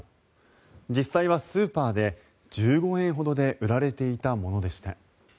実際はスーパーで１５円ほどで売られていたものでした。